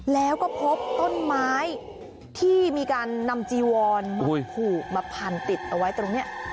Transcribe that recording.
แล้วก็พบต้นไม้ที่มีการนำจีวอนผูกมาพันติดเอาไว้ตรงนี้